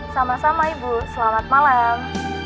sama sama ibu selamat malam